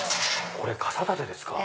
これ傘立てですか。